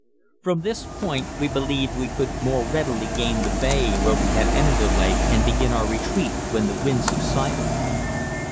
From this point we believed we could more readily gain the bay where we had entered the lake, and begin our retreat when the wind subsided.